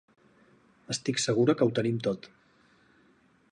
Estic segura que ho tenim tot.